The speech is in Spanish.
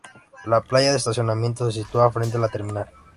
La playa de estacionamiento se sitúa frente a la terminal.